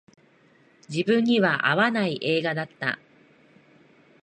自分には合わない映画だった